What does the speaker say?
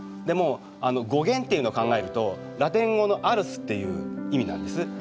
でも語源っていうのを考えるとラテン語の「アルス」っていう意味なんです。